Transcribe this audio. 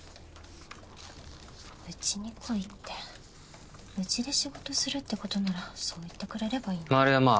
うちに来いってうちで仕事するってことならそう言ってくれればいいのに。